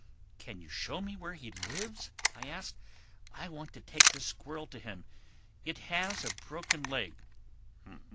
"Can you show me where he lives?" I asked. "I want to take this squirrel to him. It has a broken leg."